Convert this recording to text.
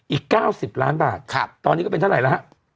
อีก๙๐ล้านบาทตอนนี้ก็เป็นเท่าไหร่แล้วฮะ